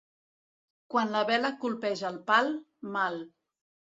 Quan la vela colpeja el pal, mal.